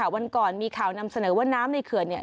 วันก่อนมีข่าวนำเสนอว่าน้ำในเขื่อนเนี่ย